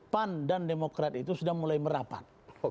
pan dan demokrat itu sudah mulai merapat